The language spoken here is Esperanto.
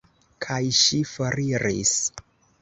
Kaj ŝi foriris.